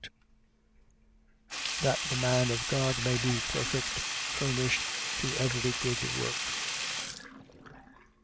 That the man of God may be perfect, furnished to every good work.